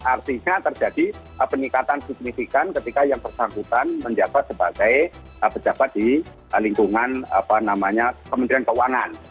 artinya terjadi peningkatan signifikan ketika yang bersangkutan menjabat sebagai pejabat di lingkungan kementerian keuangan